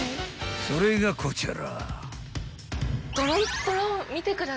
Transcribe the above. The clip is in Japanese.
［それがこちら］